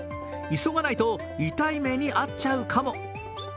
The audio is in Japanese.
急がないと痛い目に遭っちゃうかも。